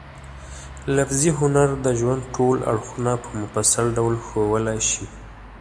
لفظي هنر د ژوند ټول اړخونه په مفصل ډول ښوولای شي.